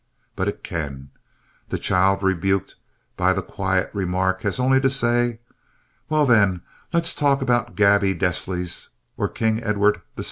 But it can; the child rebuked by the quiet remark has only to say, "Well, then, let's talk about Gaby Deslys or King Edward VII."